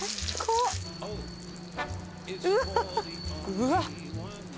うわっ！